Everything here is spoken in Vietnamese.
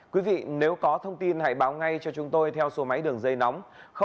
quý vị nếu có thông tin hãy báo ngay cho chúng tôi theo số máy đường dây nóng